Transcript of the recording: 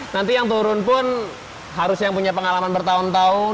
nanti yang turun pun harus yang punya pengalaman bertahun tahun